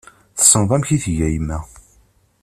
Tessneḍ amek i tga yemma.